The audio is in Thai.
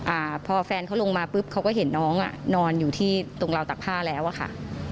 อ่าพอแฟนเขาลงมาปุ๊บเขาก็เห็นน้องอ่ะนอนอยู่ที่ตรงราวตักผ้าแล้วอ่ะค่ะ